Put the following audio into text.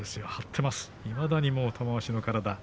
いまだに玉鷲の体。